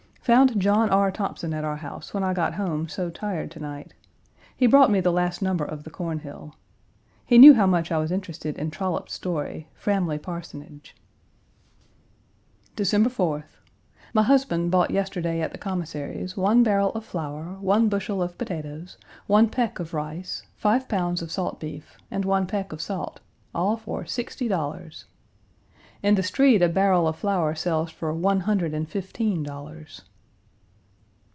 Found John R. Thompson at our house when I got home so tired to night. He brought me the last number of the Cornhill. He knew how much I was interested in Trollope's story, Framley Parsonage. Page 261 December 4th. My husband bought yesterday at the Commissary's one barrel of flour, one bushel of potatoes, one peck of rice, five pounds of salt beef, and one peck of salt all for sixty dollars. In the street a barrel of flour sells for one hundred and fifteen dollars.